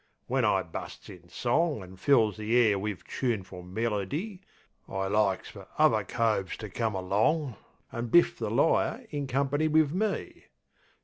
When I busts in song An' fills the air wiv choonful melerdy, I likes fer uvver coves to come along An' biff the lyre in company wiv me.